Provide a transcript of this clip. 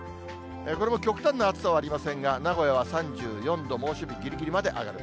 これも極端な暑さはありませんが、名古屋は３４度、猛暑日ぎりぎりまで上がる。